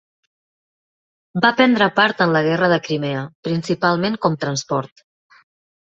Va prendre part en la Guerra de Crimea, principalment com transport.